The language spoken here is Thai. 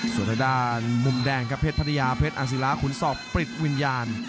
ส่วนด้านมุมแดงครับเพศพัทยาเพศอังษิลาขุนศพปริษย์วิญญาณ